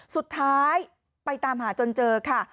สุดท้ายไปตามหาจนเจอค่ะ